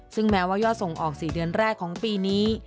ซึ่งแม้ว่ายอดส่งออก๔เดือนแรกของปีนี้